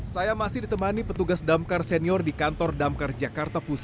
saya masih ditemani petugas damkar senior di kantor damkar jakarta pusat